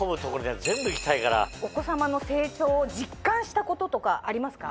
お子さまの成長を実感したこととかありますか？